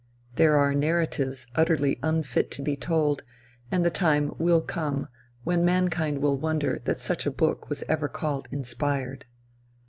There are narratives utterly unfit to be told; and the time will come when mankind will wonder that such a book was ever called inspired.